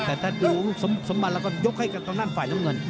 แต่ถ้าดูสมบัติเราก็ยกให้ตรงนั้นฝ่ายน้ำเงิน